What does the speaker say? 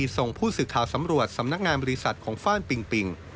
ส่งผู้สื่อข่าวสำรวจสำนักงานบริษัทของฟ่านปิงปิง